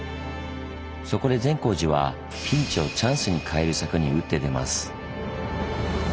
そこで善光寺はピンチをチャンスにかえる策に打って出ます。